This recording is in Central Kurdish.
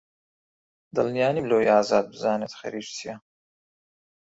دڵنیا نیم لەوەی ئازاد بزانێت خەریکی چییە.